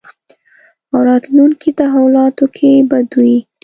او راتلونکې تحولاتو کې به دوی